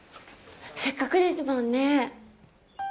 せっかくですもんね。